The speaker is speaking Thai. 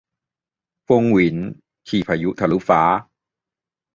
ฟงหวิน ขี่พายุทะลุฟ้า